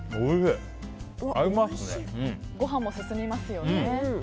ご飯も進みますよね。